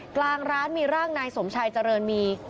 กลางร้านมีร่างนายสมชายเจริญมี